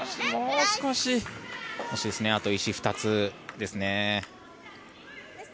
あと石２つですね。